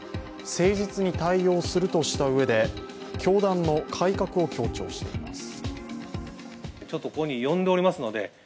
誠実に対応するとしたうえで教団の改革を強調しています。